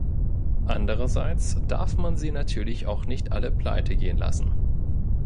Andererseits darf man sie natürlich auch nicht alle pleite gehen lassen.